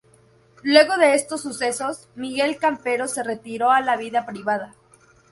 Luego de estos sucesos, Miguel Campero se retiró a la vida privada.